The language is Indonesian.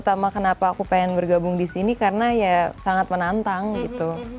sama kenapa aku pengen bergabung disini karena ya sangat menantang gitu